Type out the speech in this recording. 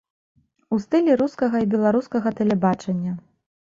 У стылі рускага і беларускага тэлебачання.